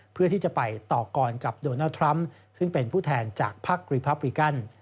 เพื่อที่จะไปต่อกรกับโดนัลดทรัมป์ซึ่งเป็นผู้แทนจากภักดิพับริกัน